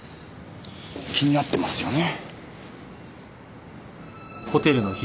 気になってますよね。